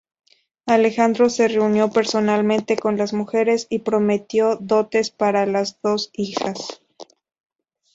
Alejandro se reunió personalmente con las mujeres, y prometió dotes para las dos hijas.